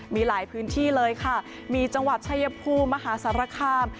มีหลายพื้นที่เลยค่ะมีจังหวัดชายภูมิมหาสารคาม